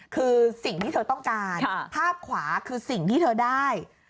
คือสิ่งที่เธอต้องการภาพขวาคือสิ่งที่เธอได้